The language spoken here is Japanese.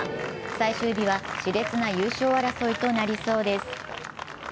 最終日はしれつな優勝争いとなりそうです。